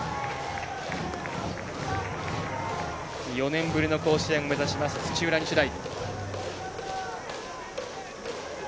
４年ぶりの甲子園を目指します土浦日大。